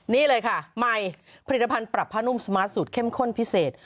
นี่เลยค่ะใหม่ผลิตภัณฑ์ปรับผ้านุ่มสมาร์ทสูตรเข้มข้นพิเศษ